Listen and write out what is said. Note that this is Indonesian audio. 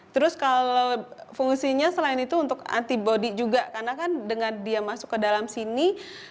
terus kalau fungsinya selain itu untuk antibody juga karena kan dengan dia masuk ke dalam sini